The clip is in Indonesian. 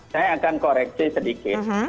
saya akan koreksi sedikit